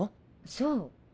そう。